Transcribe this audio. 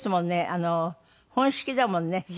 あの本式だもんね。